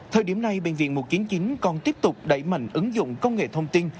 thời điểm này bệnh viện mùa kiến chín còn tiếp tục đẩy mạnh ứng dụng công nghệ thông tin